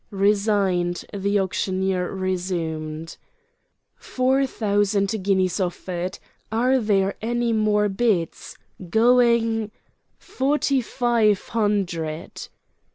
Resigned, the auctioneer resumed: "Four thousand guineas offered. Are there any more bids? Going—" "Forty five hundred!"